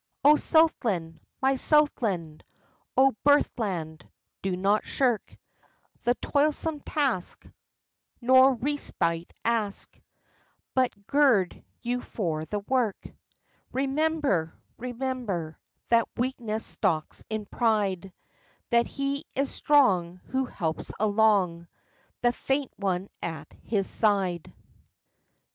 O Southland! my Southland! O birthland! do not shirk The toilsome task, nor respite ask, But gird you for the work. Remember, remember That weakness stalks in pride; That he is strong who helps along The faint one at his side.